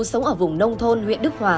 mặc dù sống ở vùng nông thôn huyện đức hòa